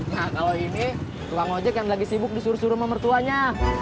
nah kalau ini tunggak ojak yang lagi sibuk disuruh suruh pemertuanya